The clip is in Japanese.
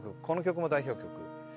この曲も代表曲。